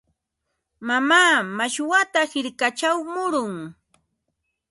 Mamaa mashwata hirkachaw murun.